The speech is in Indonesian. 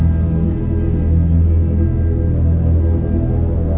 tidak ada yang bisa diberikan